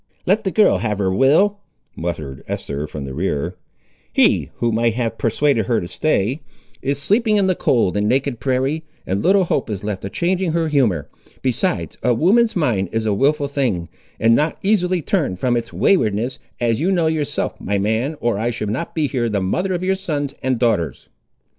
"Let the girl have her will," muttered Esther, from the rear; "he, who might have persuaded her to stay, is sleeping in the cold and naked prairie, and little hope is left of changing her humour; besides, a woman's mind is a wilful thing, and not easily turned from its waywardness, as you know yourself, my man, or I should not be here the mother of your sons and daughters."